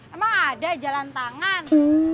emang ada jalan tangan